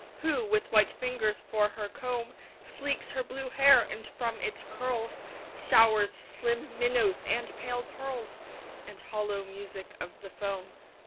Who, with white fingers for her comb, Sleeks her blue hair, and from its curls Showers slim minnows and pale pearls, And hollow music of the foam.